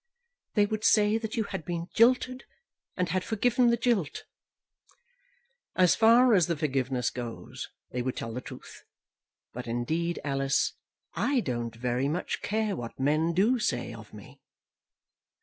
"They would say that you had been jilted, and had forgiven the jilt." "As far as the forgiveness goes, they would tell the truth. But, indeed, Alice, I don't very much care what men do say of me."